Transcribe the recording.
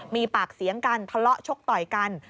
มีปากเสียงกันทะเลาะชกต่อยกัน